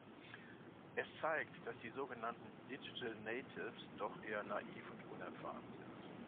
Es zeigt, dass die sogenannten Digital Natives doch eher naiv und unerfahren sind.